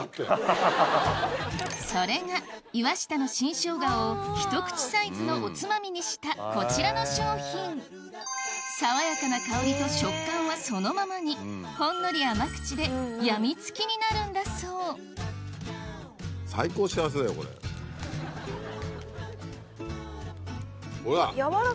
それが岩下の新生姜をひと口サイズのおつまみにしたこちらの商品爽やかな香りと食感はそのままにほんのり甘口でやみつきになるんだそうほら。